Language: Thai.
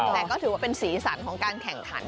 แต่ก็ถือว่าเป็นสีสันของการแข่งขัน